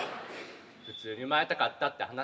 普通に生まれたかったって話。